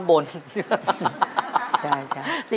ขอบคุณครับ